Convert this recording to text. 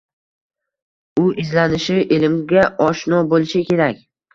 U izlanishi, ilmga oshno boʻlishi kerak